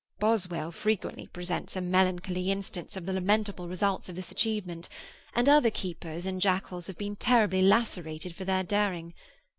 Boswell frequently presents a melancholy instance of the lamentable results of this achievement, and other keepers and jackals have been terribly lacerated for their daring.